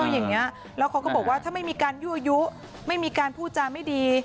อย่างนี้แล้วเขาก็บอกว่าถ้าไม่มีการยั่วยุไม่มีการพูดจาไม่ดี